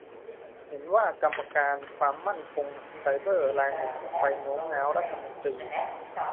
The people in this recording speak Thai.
เห็นว่ากรรมการความมั่นคงไซเบอร์รายหนึ่งไปโน้มน้าวรัฐมนตรี